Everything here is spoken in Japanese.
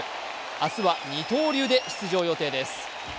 明日は二刀流で出場予定です。